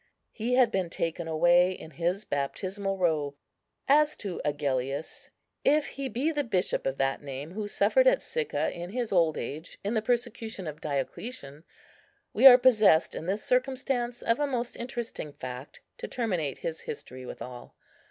He had been taken away in his baptismal robe. As to Agellius, if he be the bishop of that name who suffered at Sicca in his old age, in the persecution of Diocletian, we are possessed in this circumstance of a most interesting fact to terminate his history withal.